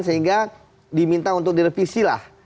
sehingga diminta untuk direvisilah